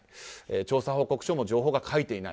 調査報告書も情報が書いていない。